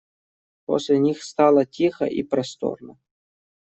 После них стало тихо и просторно.